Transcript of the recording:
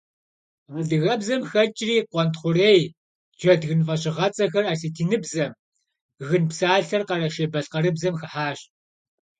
Адыгэбзэм хэкӀри «къуэнтхъурей», «джэдгын» фӀэщыгъэцӀэхэр асэтиныбзэм, «гын» псалъэр къэрэшей-балъкъэрыбзэм хыхьащ.